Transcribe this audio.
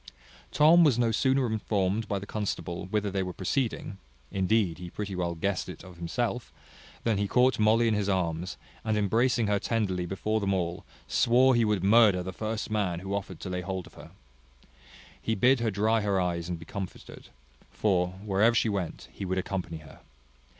Tom was no sooner informed by the constable whither they were proceeding (indeed he pretty well guessed it of himself), than he caught Molly in his arms, and embracing her tenderly before them all, swore he would murder the first man who offered to lay hold of her. He bid her dry her eyes and be comforted; for, wherever she went, he would accompany her.